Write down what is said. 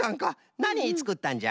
なにつくったんじゃ？